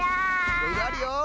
いろいろあるよ。